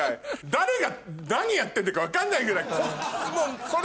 誰が何やってんだか分かんないぐらい。